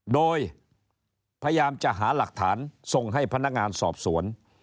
โดยพยายามจะหาหลักฐานส่งให้พนักงานสอบสวน